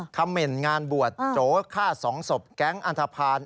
เขม่นงานบวชโจฆ่า๒ศพแก๊งอันทภาณ